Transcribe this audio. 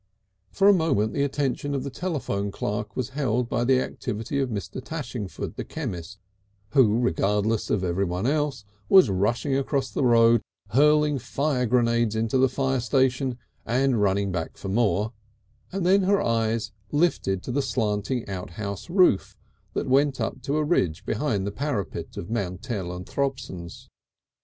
For a moment the attention of the telephone clerk was held by the activities of Mr. Tashingford, the chemist, who, regardless of everyone else, was rushing across the road hurling fire grenades into the fire station and running back for more, and then her eyes lifted to the slanting outhouse roof that went up to a ridge behind the parapet of Mantell and Throbson's.